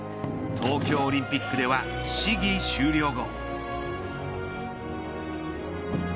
東京オリンピックでは試技終了後。